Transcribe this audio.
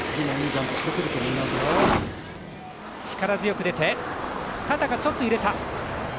力強く出て肩がちょっと揺れた。